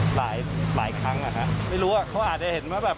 หลายครั้งอะคะไม่รู้อะเขาอาจจะเห็นมาแบบ